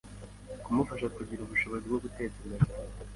kumufasha kugira ubushobozi bwo gutekereza cyane